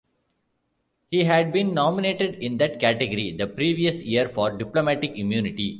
He had been nominated in that category the previous year for "Diplomatic Immunity".